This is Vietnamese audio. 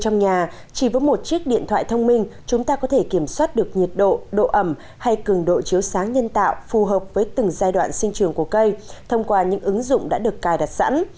trong nhà chỉ với một chiếc điện thoại thông minh chúng ta có thể kiểm soát được nhiệt độ độ ẩm hay cường độ chiếu sáng nhân tạo phù hợp với từng giai đoạn sinh trường của cây thông qua những ứng dụng đã được cài đặt sẵn